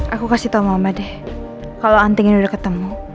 aku kasih tau mama deh kalau antingin udah ketemu